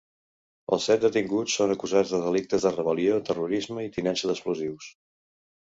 Els set detinguts són acusats dels delictes de rebel·lió, terrorisme i tinença d’explosius.